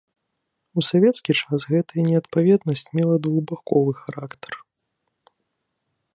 У савецкі час гэтая неадпаведнасць мела двухбаковы характар.